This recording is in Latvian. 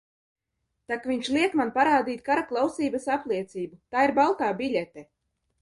Tak viņš liek man parādīt karaklausības apliecību – tā ir baltā biļete.